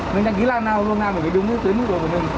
mình đăng ký làng nào luôn nào phải đúng đúng tuyến đường đăng ký chứ